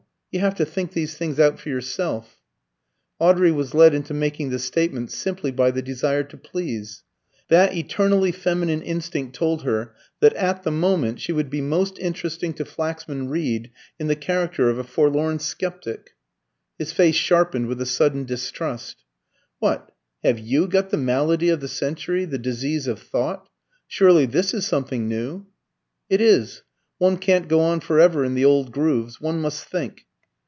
You have to think these things out for yourself." Audrey was led into making this statement simply by the desire to please. That eternally feminine instinct told her that at the moment she would be most interesting to Flaxman Reed in the character of a forlorn sceptic. His face sharpened with a sudden distrust. "What, have you got the malady of the century the disease of thought? Surely this is something new?" "It is. One can't go on for ever in the old grooves. One must think."